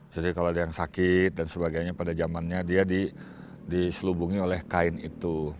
jadi kalau ada yang sakit dan sebagainya pada zamannya dia diselubungi oleh kain itu